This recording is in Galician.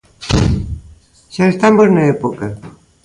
Xa estamos na época.